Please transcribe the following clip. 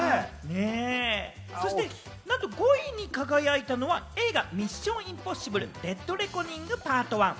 そして、なんと５位に輝いたのは、映画『ミッション：インポッシブル／デッド・レコニングＰＡＲＴＯＮＥ』。